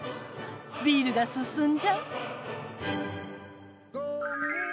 ビールが進んじゃう。